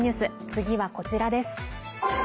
次はこちらです。